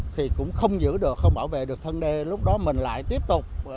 thì cũng không giữ được không bảo vệ được thân đê lúc đó mình lại tiếp tục